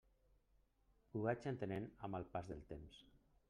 Ho vaig entenent amb el pas del temps.